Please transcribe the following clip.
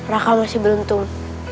raka masih beruntung